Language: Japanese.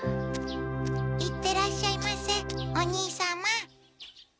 行ってらっしゃいませお兄様。